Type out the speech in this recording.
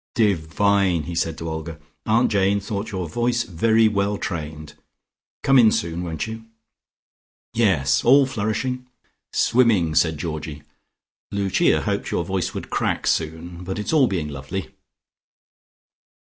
"Divine!" he said to Olga. "Aunt Jane thought your voice very well trained. Come in soon, won't you?" "Yes: all flourishing?" "Swimming," said Georgie. "Lucia hoped your voice would crack soon. But it's all being lovely."